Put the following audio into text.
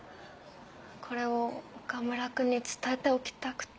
これを岡村くんに伝えておきたくて。